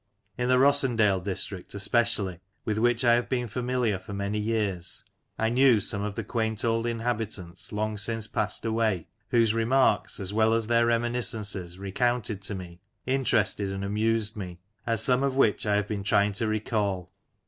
In the Rossendale district especially, with which I have been familiar for many years, I knew some of the quaint old inhabitants long since passed away, whose remarks, as well as their reminiscences recounted to me, interested and amused me, and some of which I have been trying to recall.